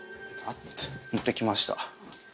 持ってきました。